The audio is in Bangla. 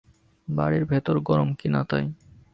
বাড়ীর ভেতর গরম কিনা, তাই।